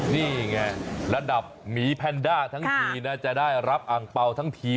นี่ไงระดับหมีแพนด้าทั้งทีนะจะได้รับอังเปล่าทั้งที